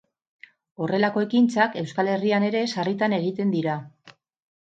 Horrelako ekintzak Euskal Herrian ere sarritan egiten dira.